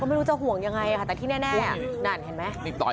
ก็ไม่รู้จะห่วงยังไงแต่ที่แน่นั่นเห็นมั้ย